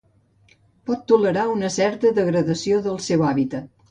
Pot tolerar una certa degradació del seu hàbitat.